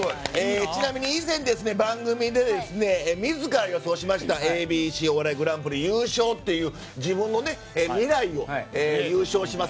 ちなみに以前、番組で自ら予想しました「ＡＢＣお笑いグランプリ」優勝という自分の未来を優勝します